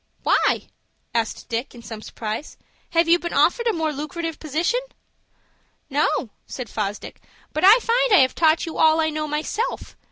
"Why?" asked Dick, in some surprise. "Have you been offered a more loocrative position?" "No," said Fosdick, "but I find I have taught you all I know myself.